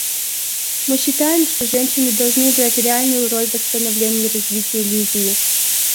Мы считаем, что женщины должны играть реальную роль в восстановлении и развитии Ливии.